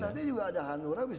nanti juga ada hanura bisa